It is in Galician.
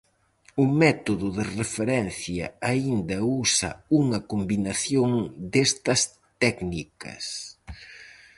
O método de referencia aínda usa unha combinación destas técnicas.